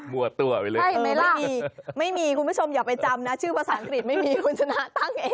มั่วตัวไปเลยไม่มีคุณผู้ชมอย่าไปจำนะชื่อภาษาอังกฤษไม่มีคุณชนะตั้งเองนะ